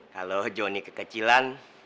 kalau jonny kekecilan